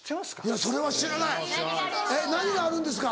いやそれは知らない何があるんですか？